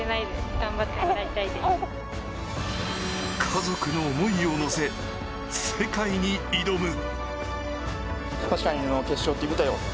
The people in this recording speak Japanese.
家族の思いを乗せ、世界に挑む。